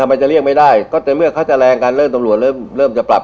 ทำไมจะเรียกไม่ได้ก็เมื่อเขาจะแรงกันเริ่มตำรวจเริ่มจะปรับ